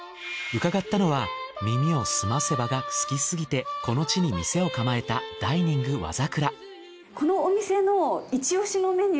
伺ったのは『耳をすませば』が好きすぎてこの地に店を構えたｄｉｎｉｎｇ和桜。